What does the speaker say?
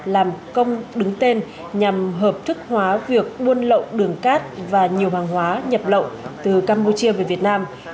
làm công đứng tên nhằm hợp thức hóa việc buôn lậu đường cát và nhiều hàng hóa nhập lậu từ campuchia về việt nam